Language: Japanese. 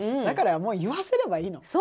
だからもう言わせればいいの。